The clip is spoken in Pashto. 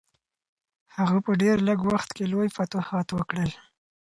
هغه په ډېر لږ وخت کې لوی فتوحات وکړل.